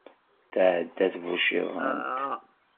Tɛedda tbuciḍant.